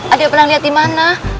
adik pernah lihat di mana